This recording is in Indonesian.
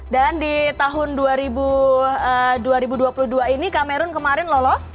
dan di tahun dua ribu dua puluh dua ini kamerun kemarin lolos